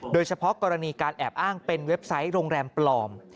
โดยเฉพาะกรณีการแอบอ้างเป็นเว็บไซต์โรงแรมปลอม